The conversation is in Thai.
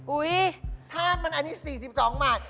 อุ๊ยถ้ามันอันนี้๔๒บาท